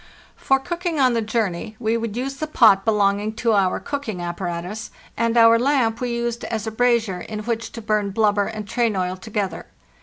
For cooking on the journey we would use the pot belonging to our cooking apparatus; and our lamp we used as a brazier in which to burn blubber and train oil together.